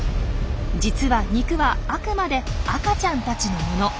実は肉はあくまで赤ちゃんたちのもの。